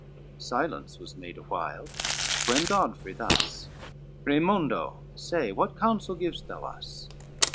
Silence was made awhile, when Godfrey thus,— "Raymondo, say, what counsel givest thou us?"